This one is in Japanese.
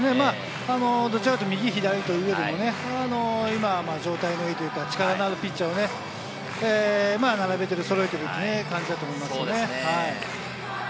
どちらかというと右左というよりも、今状態がいい力のあるピッチャーを並べて、そろえている感じだと思いますね。